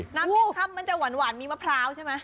น้ำพริกถ้ำมันจะหวานมีมะพร้าวใช่ไหม